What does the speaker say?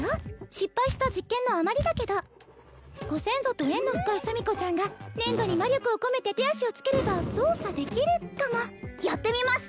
失敗した実験の余りだけどご先祖と縁の深いシャミ子ちゃんが粘土に魔力を込めて手足をつければ操作できるかもやってみます